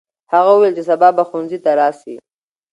هغه وویل چې سبا به ښوونځي ته راسې.